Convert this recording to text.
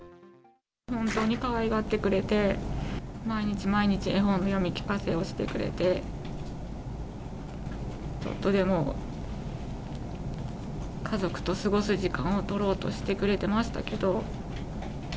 本当にかわいがってくれて、毎日毎日絵本の読み聞かせをしてくれて、ちょっとでも家族と過ごす時間を取ろうとしてくれてましたけど。